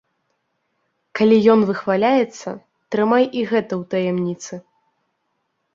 Калі ён выхваляецца, трымай і гэта ў таямніцы.